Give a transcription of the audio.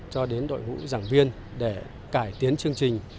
cho đến đội ngũ giảng viên để cải tiến chương trình